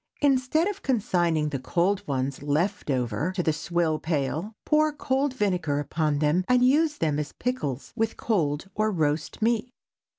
Instead of consigning the cold ones "left over" to the swill pail, pour cold vinegar upon them and use as pickles with cold or roast meat.